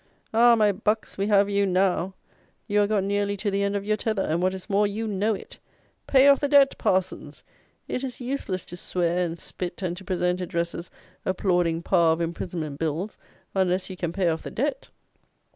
Ah! my bucks, we have you now! You are got nearly to the end of your tether; and, what is more, you know it. Pay off the Debt, parsons! It is useless to swear and spit, and to present addresses applauding Power of Imprisonment Bills, unless you can pay off the Debt!